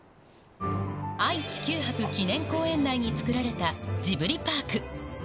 愛・地球博記念公園内に作られたジブリパーク。